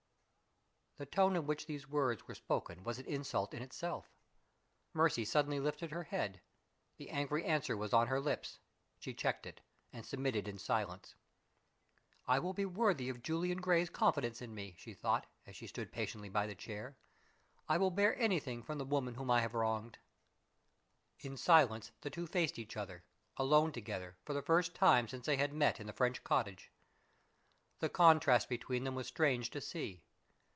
The tone in which those words were spoken was an insult in itself. Mercy suddenly lifted her head; the angry answer was on her lips. She checked it, and submitted in silence. "I will be worthy of Julian Gray's confidence in me," she thought, as she stood patiently by the chair. "I will bear anything from the woman whom I have wronged." In silence the two faced each other; alone together, for the first time since they had met in the French cottage. The contrast between them was strange to see.